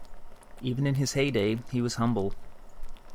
Even in his heyday, he was humble.